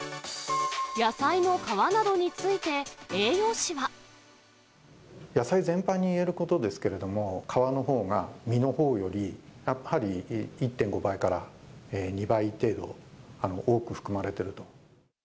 野菜の皮などについて、野菜全般に言えることですけれども、皮のほうが、実のほうよりやはり１．５倍から２倍程度、多く含まれていると。